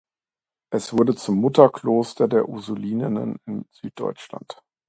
Es wurde zum Mutterkloster der Ursulinen in Süddeutschland.